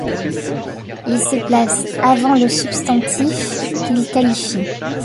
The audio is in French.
Ils se placent avant le substantifs qu'ils qualifient.